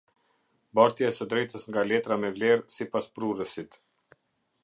Bartja e së drejtës nga letra me vlerë sipas prurësit.